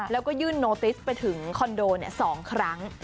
แล้วก็ยื่นโนติสไปถึงคอนโด๒ครั้ง